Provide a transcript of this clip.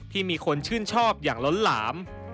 มีคนชื่นชอบอย่างล้นหลาม